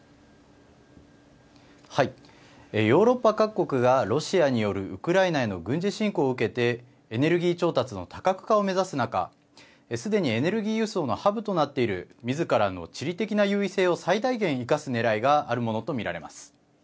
ヨーロッパ各国がロシアによるウクライナへの軍事侵攻を受けてエネルギー調達の多角化を目指す中すでに、エネルギー輸送のハブとなっているみずからの地理的な優位性を最大限、生かすねらいがあるものと見られます。